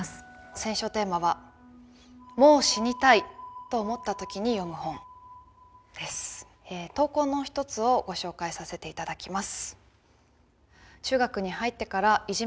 選書テーマは投稿の一つをご紹介させて頂きます。